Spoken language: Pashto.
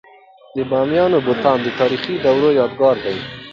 د بامیانو بتان د تاریخي دورو یادګار دی.